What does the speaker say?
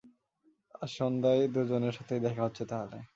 আজ সন্ধ্যায় দুজনের সাথেই দেখা হচ্ছে তাহলে।